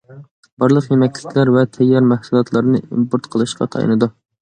بارلىق يېمەكلىكلەر ۋە تەييار مەھسۇلاتلارنى ئىمپورت قىلىشقا تايىنىدۇ.